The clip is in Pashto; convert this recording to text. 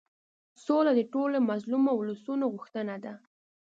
سوله د ټولو مظلومو اولسونو غوښتنه ده.